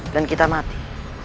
dan kita mati